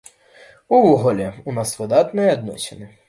Увогуле, у нас выдатныя адносіны.